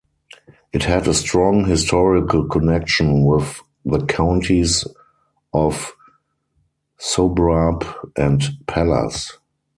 It had a strong historical connection with the counties of Sobrarbe and Pallars.